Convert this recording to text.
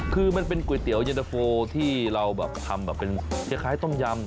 คือมันเป็นก๋วยเตี๋ยวเย็ดเตอร์โฟที่เราทำแบบเป็นเชื้อคล้ายต้มยำ